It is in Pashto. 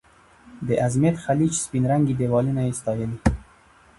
د ازمېت خلیج سپین رنګي دیوالونه یې ستایلي.